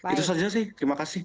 itu saja sih terima kasih